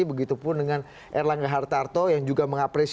begitupun dengan erlangga hartarto yang juga mengapresiasi